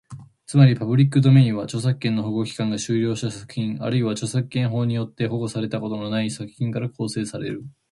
つまり、パブリックドメインは、著作権の保護期間が終了した作品、あるいは著作権法によって保護されたことのない作品から構成される。